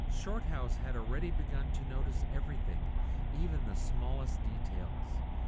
Shorthouse had already begun to notice everything, even the smallest details.